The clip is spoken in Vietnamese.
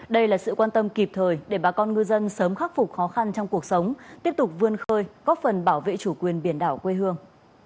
đây là sự quan tâm kịp thời để bà con ngư dân sớm khắc phục khó khăn trong cuộc sống tiếp tục vươn khơi góp phần bảo vệ chủ quyền biển đảo quê hương